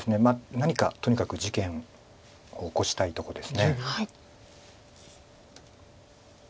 何かとにかく事件を起こしたいとこです。